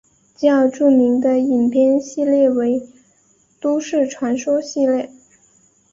较著名的影片系列为都市传说系列。